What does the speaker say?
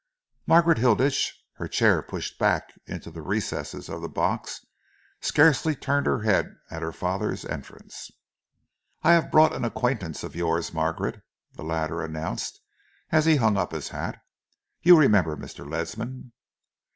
Margaret Hilditch, her chair pushed back into the recesses of the box, scarcely turned her head at her father's entrance. "I have brought an acquaintance of yours, Margaret," the latter announced, as he hung up his hat. "You remember Mr. Ledsam?"